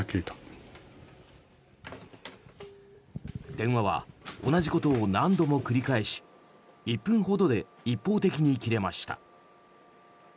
電話は同じことを何度も繰り返し１分ほどで一方的に切れました。